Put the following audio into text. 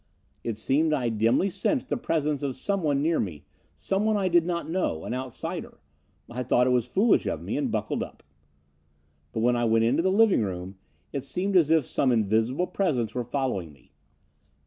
It seemed I dimly sensed the presence of someone near me, someone I did not know, an outsider. I thought it was foolish of me and buckled up. "But when I went into the living room, it seemed as if some invisible presence were following me.